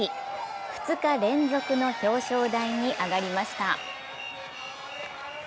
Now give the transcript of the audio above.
２日連続の表彰台に上がりました。